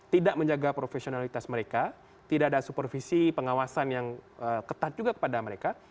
tidak menjaga profesionalitas mereka tidak ada supervisi pengawasan yang ketat juga kepada mereka